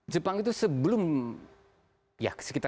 jepang itu sebelum ini ya